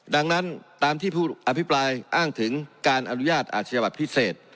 ดังนั้นตามที่ผู้อภิปรายอ้างถึงการอนุญาตอาชญาบัตรพิเศษ